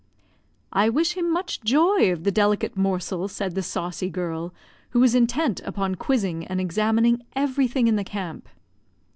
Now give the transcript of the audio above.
"I wish him much joy of the delicate morsel," said the saucy girl, who was intent upon quizzing and examining everything in the camp.